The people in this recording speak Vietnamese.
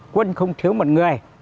quân không thiếu một người